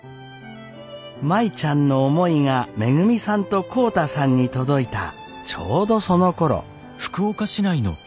舞ちゃんの思いがめぐみさんと浩太さんに届いたちょうどそのころ。